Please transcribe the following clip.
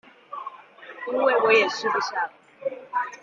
因為我也吃不下了